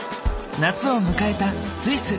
夏を迎えたスイス。